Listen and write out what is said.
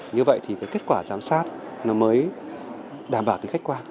như vậy thì kết quả giám sát mới đảm bảo kết quả